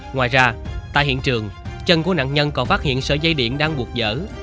ngoài ra tại hiện trường chân của nạn nhân còn phát hiện sợi dây điện đang buộc dở